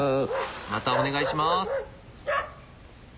またお願いします。